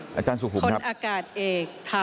๒๑๐คนอากาศเอกธาวร์วันนีปรึก